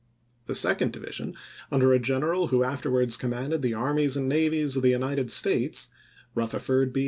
The second division, under a gen eral who afterwards commanded the armies and navies of the United States, Rutherford B.